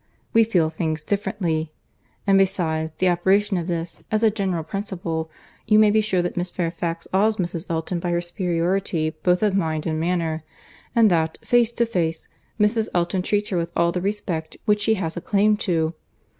We feel things differently. And besides the operation of this, as a general principle, you may be sure that Miss Fairfax awes Mrs. Elton by her superiority both of mind and manner; and that, face to face, Mrs. Elton treats her with all the respect which she has a claim to.